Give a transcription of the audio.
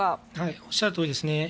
おっしゃるとおりです。